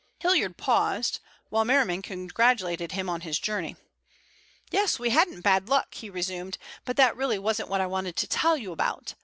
Hilliard paused, while Merriman congratulated him on his journey. "Yes, we hadn't bad luck," he resumed. "But that really wasn't what I wanted to tell you about.